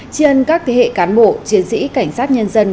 chiên các thế hệ cán bộ chiến sĩ cảnh sát nhân dân